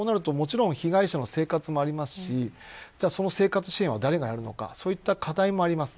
そうすると被害者の生活もありますしその生活支援は誰が行えるのかそういった課題もあります。